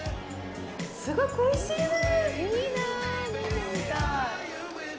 すごくおいしいです！